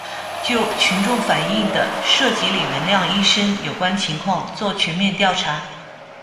就群众反映的涉及李文亮医生有关情况作全面调查